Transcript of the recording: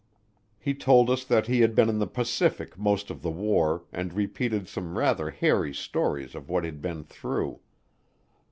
He told us that he had been in the Pacific most of the war and repeated some rather hairy stories of what he'd been through.